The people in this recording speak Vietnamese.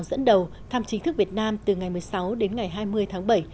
dẫn đầu thăm chính thức việt nam từ ngày một mươi sáu đến ngày hai mươi tháng bảy